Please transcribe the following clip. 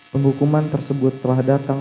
penghukuman tersebut telah datang